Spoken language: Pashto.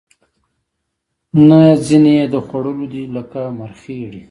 نه ځینې یې د خوړلو دي لکه مرخیړي